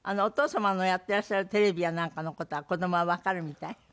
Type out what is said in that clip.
お父様のやってらっしゃるテレビやなんかの事は子供はわかるみたい？